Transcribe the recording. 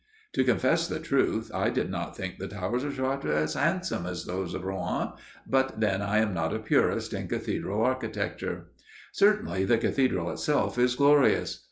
To confess the truth, I did not think the towers of Chartres as handsome as those of Rouen, but then I am not a purist in cathedral architecture. Certainly, the cathedral itself is glorious.